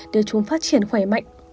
để chúng phát triển khỏe mạnh